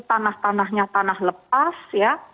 tanah tanahnya tanah lepas